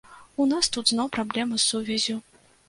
У нас тут зноў праблемы з сувяззю.